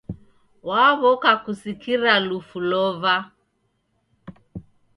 Waw'oka kusikira lufu lova.